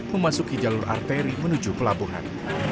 memasuki jalur arteri menuju pelabuhan